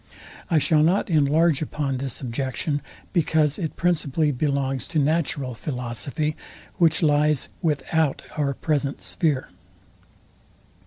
I shall not enlarge upon this objection, because it principally belongs to natural philosophy, which lies without our present sphere.